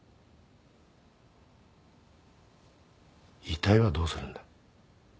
遺体はどうするんだ。